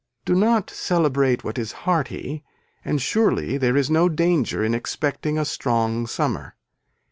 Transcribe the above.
Do not celebrate what is hearty and surely there is no danger in expecting a strong summer.